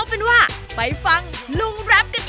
ทุกอย่างในร้านไหม